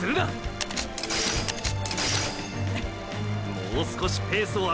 もう少しペースを上げる！！